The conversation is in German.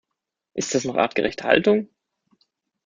Ist das noch artgerechte Haltung?